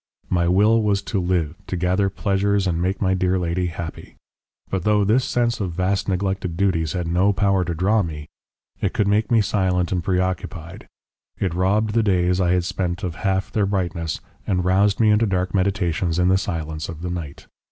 My will was to live, to gather pleasures and make my dear lady happy. But though this sense of vast neglected duties had no power to draw me, it could make me silent and preoccupied, it robbed the days I had spent of half their brightness and roused me into dark meditations in the silence of the night.